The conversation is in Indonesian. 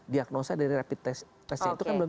diagnosa dari rapid test testnya itu kan belum